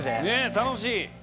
楽しい。